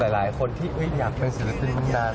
หลายคนที่อยากเป็นศิลปินมานาน